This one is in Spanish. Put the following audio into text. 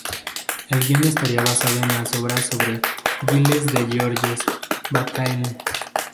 El guion estaría basado en las obras sobre Gilles de Georges Bataille.